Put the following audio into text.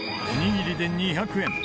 おにぎりで２００円